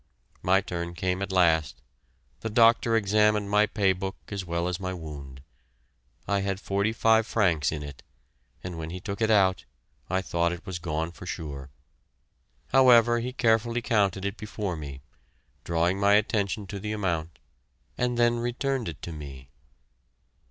My turn came at last. The doctor examined my pay book as well as my wound. I had forty five francs in it, and when he took it out, I thought it was gone for sure. However, he carefully counted it before me, drawing my attention to the amount, and then returned it to me.